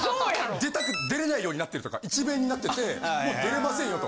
絶対出れないようになってるとか一面になっててもう出れませんよと。